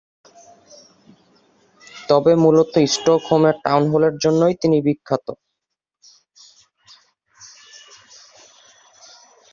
তবে মূলত স্টকহোমের টাউন হলের জন্যই তিনি বিখ্যাত।